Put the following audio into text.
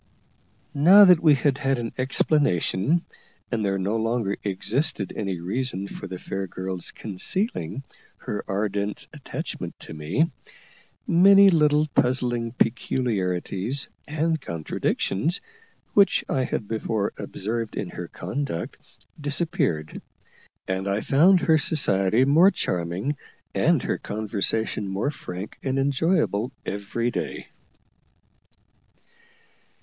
Now that we had had an explanation, and there no longer existed any reason for the fair girl's concealing her ardent attachment to me, many little puzzling peculiarities and contradictions, which I had before observed in her conduct, disappeared; and I found her society more charming and her conversation more frank and enjoyable every day.